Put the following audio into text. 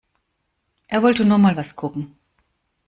Er wollte nur mal was gucken.